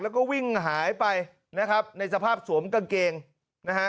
แล้วก็วิ่งหายไปนะครับในสภาพสวมกางเกงนะฮะ